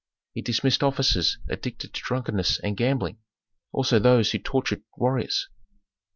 He dismissed officers addicted to drunkenness and gambling, also those who tortured warriors.